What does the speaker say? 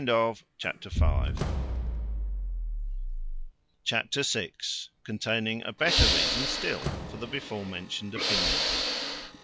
Chapter vi. Containing a better reason still for the before mentioned opinions.